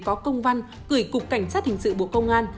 có công văn gửi cục cảnh sát hình sự bộ công an